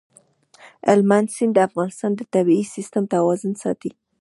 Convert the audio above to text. هلمند سیند د افغانستان د طبعي سیسټم توازن ساتي.